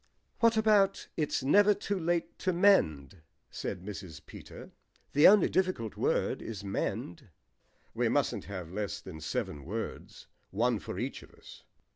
"What about 'It's never too late to mend?'" said Mrs. Peter. "The only difficult word is 'mend.'" "We mustn't have less than seven words, one for each of us."